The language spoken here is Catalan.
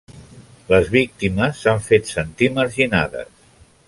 Les víctimes s"han fet sentir marginades.